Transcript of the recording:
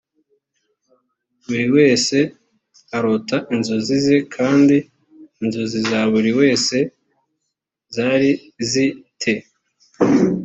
buri wese arota inzozi ze kandi inzozi za buri wese zari zi te